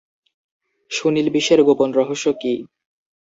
সুনিল বিশ্বের গোপন রহস্য কী?